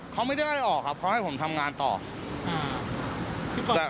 เขาไม่ได้ไล่ออกครับเขาให้ผมทำงานต่ออ่า